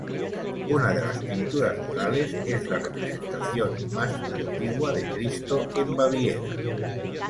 Una de las pinturas murales es la representación más antigua de Cristo en Baviera.